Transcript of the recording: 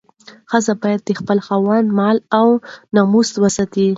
ښځه باید د خپل خاوند مال او ناموس وساتي.